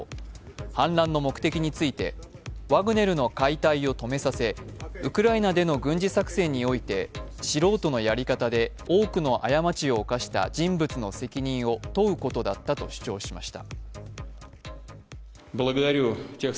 反乱の目的について、ワグネルの解体を止めさせ、ウクライナでの軍事作戦において素人のやり方で多くの過ちを犯した人物の責任を問うことだったと主張しました。